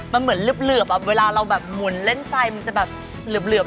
มันเหมือนเหลือบเวลาเราแบบหมุนเล่นไฟมันจะแบบเหลือบ